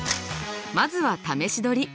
まずは試し撮り。